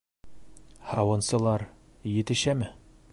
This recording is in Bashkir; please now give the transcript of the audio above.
Һауынсылар... етешәме?